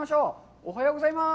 おはようございます。